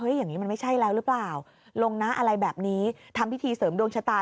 อย่างนี้มันไม่ใช่แล้วหรือเปล่าลงนะอะไรแบบนี้ทำพิธีเสริมดวงชะตา